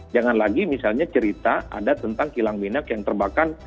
jangan lagi misalnya cerita ada tentang kilang minyak yang terbakar